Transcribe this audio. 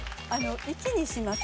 「息」にします。